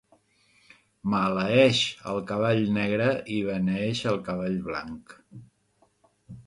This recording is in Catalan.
Maleeix el cavall negre i beneeix el cavall blanc.